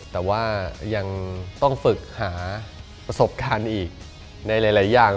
แต่ว่ายังต้องฝึกหาประสบการณ์อีกในหลายอย่าง